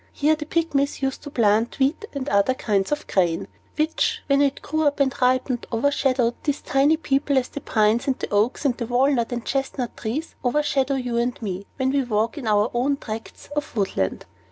Here the Pygmies used to plant wheat and other kinds of grain, which, when it grew up and ripened, overshadowed these tiny people as the pines, and the oaks, and the walnut and chestnut trees overshadow you and me, when we walk in our own tracts of woodland.